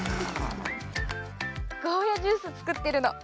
ゴーヤジュース作ってるの。